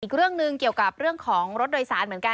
อีกเรื่องหนึ่งเกี่ยวกับเรื่องของรถโดยสารเหมือนกัน